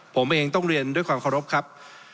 ผมเองต้องเรียนด้วยความเคารพครับ